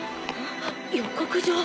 予告状。